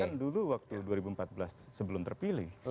kan dulu waktu dua ribu empat belas sebelum terpilih